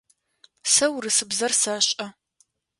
Сэ урысыбзэр сэшӏэ.